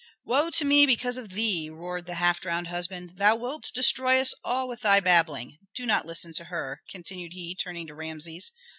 '" "Woe to me because of thee!" roared the half drowned husband; "thou wilt destroy us all with thy babbling. Do not listen to her," continued he, turning to Rameses.